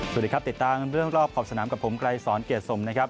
สวัสดีครับติดตามเรื่องรอบขอบสนามกับผมไกรสอนเกียรติสมนะครับ